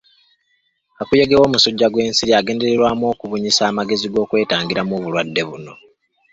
Kakuyege w'omusujja gw'ensiri agendererwamu okubunyisa amagezi g'okwetangiramu obulwadde buno.